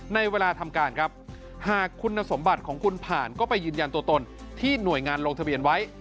ในเวลาทำการครับหากคุณสมบัติของคุณผ่านก็ไปยืนยันตัวตนที่หน่วยงานลงทะเบียนไว้